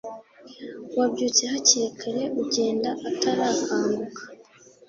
wabyutse hakiri kare ugenda atarakanguka”